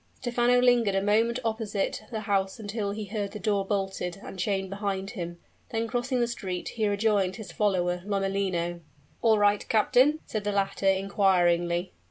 Stephano lingered a moment opposite the house until he heard the door bolted and chained behind him; then crossing the street, he rejoined his follower, Lomellino. "All right, captain?" said the latter, inquiringly.